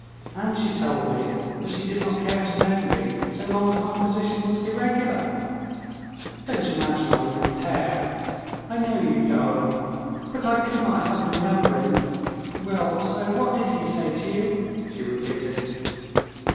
And she told me that she did not care to know me so long as my position was irregular. Don't imagine I would compare ... I know you, darling. But I could not help remembering.... Well, so what did he say to you?" she repeated.